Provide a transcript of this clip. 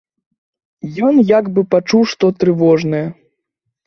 Ён як бы пачуў што трывожнае.